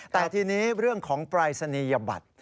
แต่ทีนี้เรื่องของปรายศนียบัตร